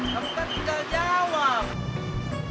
kamu kan tinggal jawab